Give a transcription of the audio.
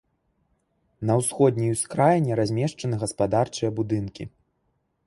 На ўсходняй ускраіне размешчаны гаспадарчыя будынкі.